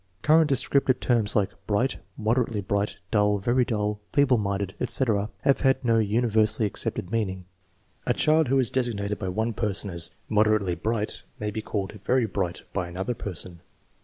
Current descriptive terms like "bright," "moderately bright," " dull," "very dull," " feeble minded," etc., have had no universally accepted meaning, A child who is designated by one person as "moderately bright" may be called "very bright" by another person.